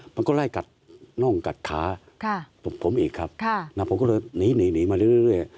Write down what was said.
มันก็ไล่กัดน่องกัดขาผมอีกครับผมก็เลยหนีหนีมาเรื่อย